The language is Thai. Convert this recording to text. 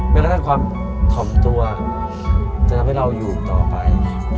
ไม่รู้สึกว่าความถ่อมตัวจะทำให้เราอยู่ต่อไป